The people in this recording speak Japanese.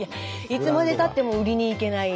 いつまでたっても売りにいけない。